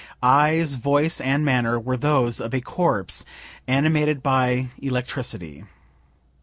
Eyes, voice and manner were those of a corpse, animated by electricity.